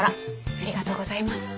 ありがとうございます。